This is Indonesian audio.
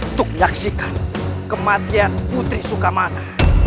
untuk menyaksikan kematian putri sukamana